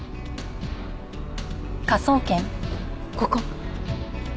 ここ！